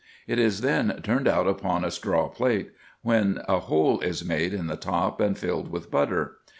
It is then turned out upon a straw plate, when a hole is made in the top and filled with butter.